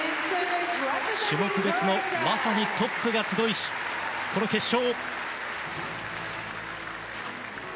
種目別のまさにトップが集いしこの決勝。